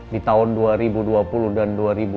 di tahun dua ribu dua puluh dan dua ribu dua puluh